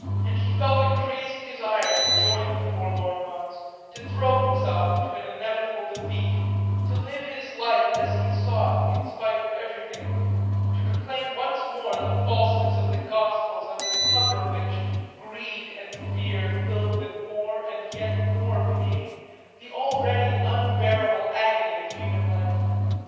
And he felt a crazy desire to join the forlorn ones, to throw himself into inevitable defeat, to live his life as he saw it in spite of everything, to proclaim once more the falseness of the gospels under the cover of which greed and fear filled with more and yet more pain the already unbearable agony of human life.